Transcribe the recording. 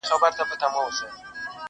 زه غریب پر لاري تلمه تا په غبرګو وویشتمه٫